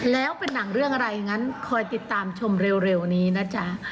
แล้วเป็นหนังเรื่องอะไรงั้นคอยติดตามชมเร็วนี้นะจ๊ะ